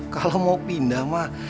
kalo mau pindah mah